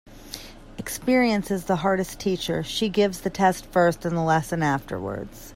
Experience is the hardest teacher. She gives the test first and the lesson afterwards.